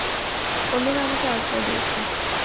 অন্যরা আমাকে আশ্রয় দিয়েছে।